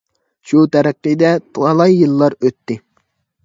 شۇ تەرىقىدە تالاي يىللار ئۆتتى.